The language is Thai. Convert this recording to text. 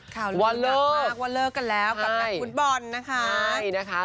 ข่าวลือกันมากว่าเลิกกันแล้วเกิดกับวุทธ์บอลนะคะไหนนะคะ